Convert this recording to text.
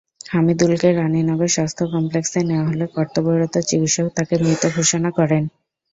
হামিদুলকে রানীনগর স্বাস্থ্য কমপ্লেক্সে নেওয়া হলে কর্তব্যরত চিকিৎসক তাঁকে মৃত ঘোষণা করেন।